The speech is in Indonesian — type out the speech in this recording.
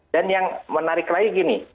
dan yang menarik lagi gini